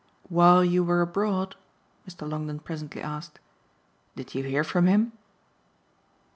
"While you were abroad," Mr. Longdon presently asked, "did you hear from him?"